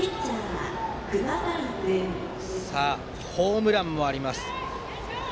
熊谷はホームランもあります。